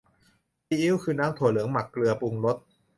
ซีอิ๊ว คือน้ำถั่วเหลืองหมักเกลือปรุงรส